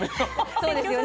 そうですよね。